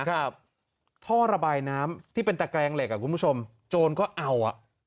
ท่อระบายน้ำที่เป็นตะแกรงเหล็กอ่ะคุณผู้ชมโจรก็เอาอ่ะ